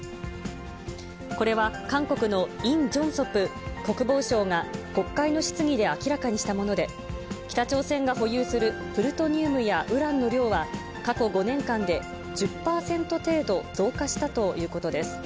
これは韓国のイ・ジョンソプ国防相が、国会の質疑で明らかにしたもので、北朝鮮が保有するプルトニウムやウランの量は、過去５年間で１０％程度増加したということです。